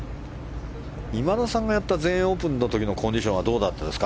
今田さんがやった全英オープンの時のコンディションはどうだったんですか？